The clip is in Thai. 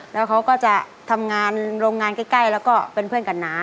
แล้วเขาก็จะทำงานโรงงานใกล้แล้วก็เป็นเพื่อนกับน้า